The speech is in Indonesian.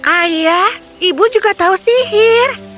ayah ibu juga tahu sihir